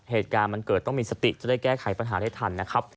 เหตุการณ์มันเกิดต้องมีสติจะได้แก้ไขปัญหาได้ทันนะครับ